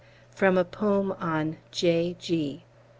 From a poem on "J.G." V.